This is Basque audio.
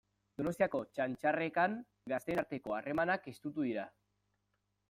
Donostiako Txantxarrekan gazteen arteko harremanak estutu dira.